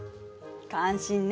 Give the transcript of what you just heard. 感心ね。